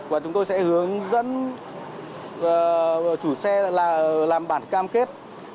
và chúng tôi sẽ hướng dẫn chủ xe là làm bản cam kết